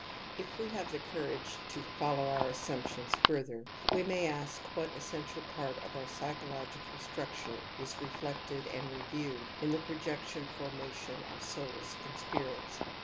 If we have the coiu'age to follow our assiunp ions further, we may ask what essential part of ur psychological structure is reflected and re iewed in the projection formation of souls and pirits.